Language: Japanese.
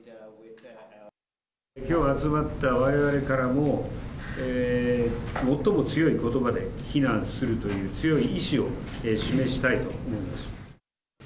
きょう集まったわれわれからも、最も強いことばで非難するという、強い意志を示したいと思います。